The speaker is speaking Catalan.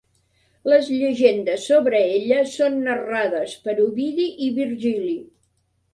Les llegendes sobre ella són narrades per Ovidi i Virgili.